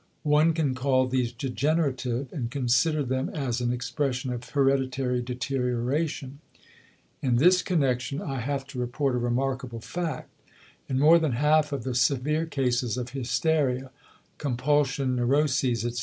One can call these "degenerative" and consider them as an expression of hereditary deterioration. In this connection I have to report a remarkable fact. In more than half of the severe cases of hysteria, compulsion neuroses, etc.